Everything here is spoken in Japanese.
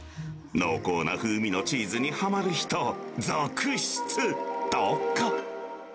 濃厚な風味のチーズにはまる人、続出とか。